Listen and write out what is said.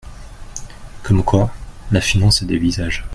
Comme quoi, la finance a des visages.